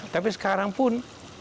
tapi sekarang pun